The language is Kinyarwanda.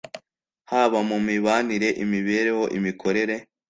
haba mu mibanire, imibereho, imikorere